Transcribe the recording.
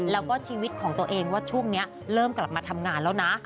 แล้วก็ชีวิตของตัวเองว่าช่วงนี้เริ่มกลับมาทำงานแล้วนะ